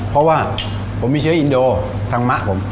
เพราะว่าผมมีเชื้ออินโดทางมะผม